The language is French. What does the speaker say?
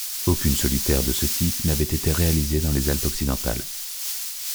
Aucune solitaire de ce type n'avait été réalisée dans les Alpes occidentales.